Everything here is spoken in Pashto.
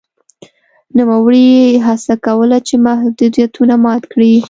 نوموړي هڅه کوله چې محدودیتونه مات کړي.